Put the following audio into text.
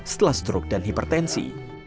setelah stroke dan hipertensi